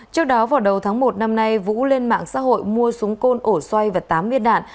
trước đó vào đầu tháng một năm nay vũ lên mạng xã hội mua súng côn ổ xoay và tám viên đạn